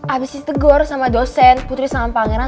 abis itu gore sama dosen putri sama pangeran